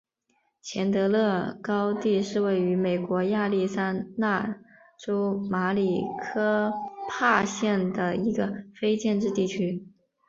钱德勒高地是位于美国亚利桑那州马里科帕县的一个非建制地区。